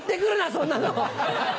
そんなの。